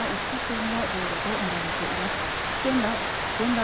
現場は片側１車線の道路とみられています。